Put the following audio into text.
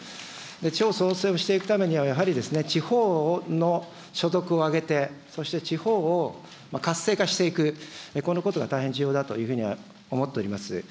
地方創生をしていくためには、やはり、地方の所得を上げて、そして地方を活性化していく、このことが大変重要だというふうには思っております。